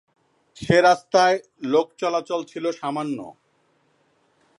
সে রাস্তায় লোকচলাচল ছিল সামান্য।